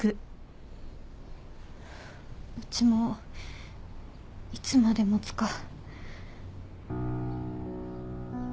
うちもいつまで持つか。